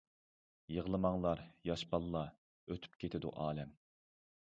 يىغلىماڭلار ياش باللا ، ئۆتۈپ كېتىدۇ ئالەم .